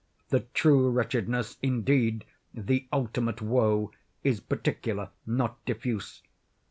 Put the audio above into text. The true wretchedness, indeed—the ultimate woe——is particular, not diffuse.